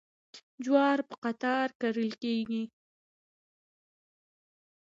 جوار په قطار کرل کیږي.